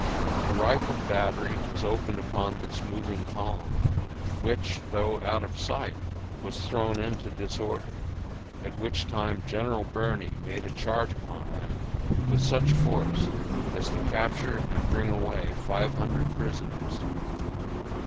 A rifled battery was opened upon this moving column, which, though out of sight, was thrown into disorder, at which time General Birney made a charge upon them with such force as to capture and bring away five hundred prisoners.